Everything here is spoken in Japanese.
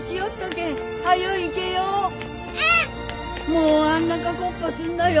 もうあんなかこっばすんなよ。